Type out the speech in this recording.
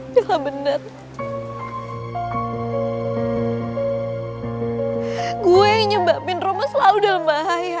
jangan bener gue yang nyebabin roma selalu dalam bahaya